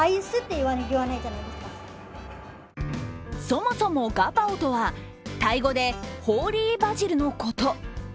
そもそもガパオとは、タイ語でホーリーバジルのこと。